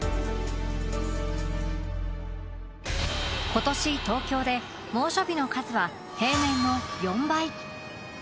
今年東京で猛暑日の数は平年の４倍！